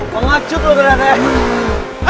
mau ngacut lo beratnya